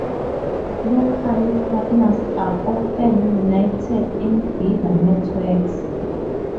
Local partners are often united in bigger networks.